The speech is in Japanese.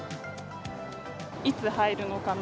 いつ入るのかな？